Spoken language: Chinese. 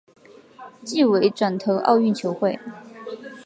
季尾转投澳洲球会。